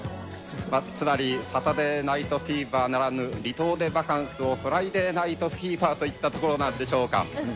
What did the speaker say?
つまりサタデーナイトフィーバーならぬ、離島でバカンスをフライデーナイトフィーバーといったところなん